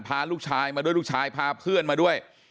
พาลูกชายมาด้วยลูกชายพาเพื่อนมาด้วย